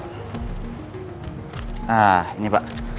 nah ini pak